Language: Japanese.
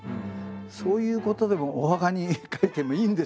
そういうことでもお墓に書いてもいいんですか？